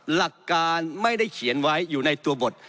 หลักการไม่ได้เขียนไว้อยู่ในตัวบท